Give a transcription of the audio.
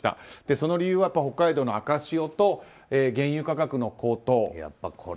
その理由は北海道の赤潮と原油価格の高騰。